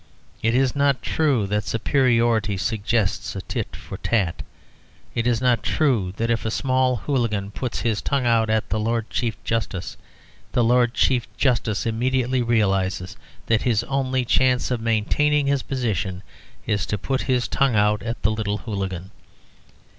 It is not true that superiority suggests a tit for tat. It is not true that if a small hooligan puts his tongue out at the Lord Chief Justice, the Lord Chief Justice immediately realises that his only chance of maintaining his position is to put his tongue out at the little hooligan.